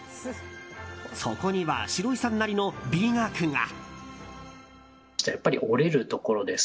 そこにはシロイさんなりの美学が。